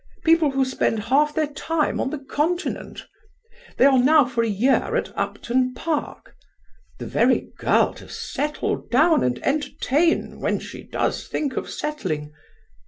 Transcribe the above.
People who spend half their time on the Continent. They are now for a year at Upton Park. The very girl to settle down and entertain when she does think of settling.